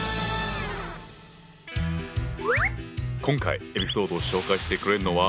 今回エピソードを紹介してくれるのは。